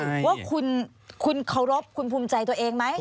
ว่าคุณเคารพคุณภูมิใจตัวเองไหม